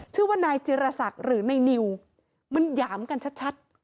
ชื่อว่านายจิรศักดิ์หรือนายนิวมันหยามกันชัด